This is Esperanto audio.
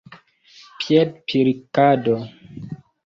piedpilkado